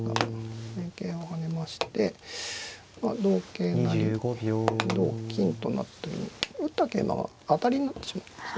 桂馬跳ねまして同桂成同金となっても打った桂馬が当たりになってしまうんですね。